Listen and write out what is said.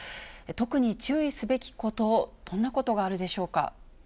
特に注意すべきこと、どんなことがあるでしょうか。